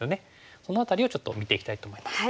その辺りをちょっと見ていきたいと思います。